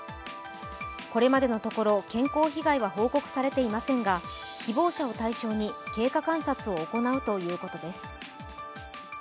これまでのところ、健康被害は報告されていませんが、希望者を対象に、経過観察を行うということです。